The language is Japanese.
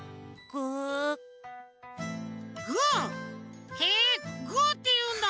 ぐー？へえぐーっていうんだ。